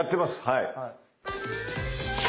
はい。